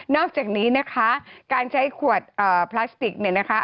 อกจากนี้นะคะการใช้ขวดพลาสติกเนี่ยนะคะ